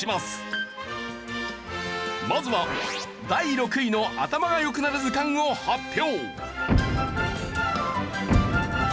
まずは第６位の頭が良くなる図鑑を発表。